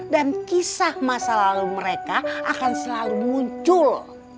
dan kisah masa lalu mereka akan selalu muncul